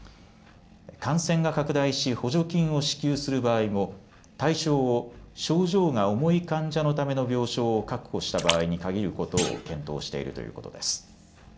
感染が拡大し補助金を支給する場合も対象を症状が重い患者のための病床を確保した場合に限ることを検討しているということです。